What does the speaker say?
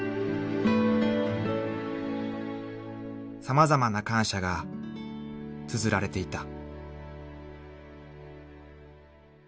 ［様々な感謝がつづられていた］